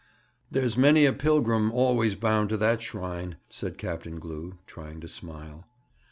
'There's many a pilgrim always bound to that shrine,' said Captain Glew, trying to smile.